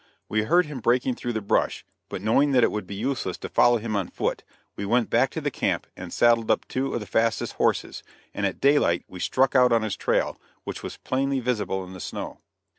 We heard him breaking through the brush, but knowing that it would be useless to follow him on foot, we went back to the camp and saddled up two of the fastest horses, and at daylight we struck out on his trail, which was plainly visible in the snow.